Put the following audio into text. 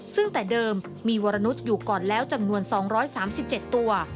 ซึ่งแต่เดิมมีวรนุษย์อยู่ก่อนแล้วจำนวน๒๓๗ตัว